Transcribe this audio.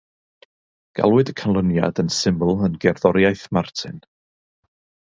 Galwyd y canlyniad yn syml yn Gerddoriaeth Martin.